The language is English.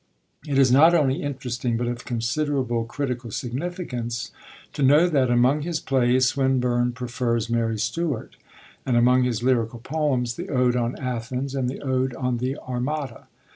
It is not only interesting, but of considerable critical significance, to know that, among his plays, Swinburne prefers Mary Stuart, and, among his lyrical poems, the ode on Athens and the ode on the Armada.